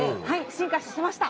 進化しました。